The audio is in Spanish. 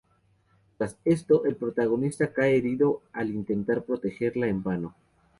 Tras esto, el protagonista cae herido al intentar protegerla en vano.